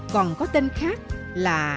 còn có tên là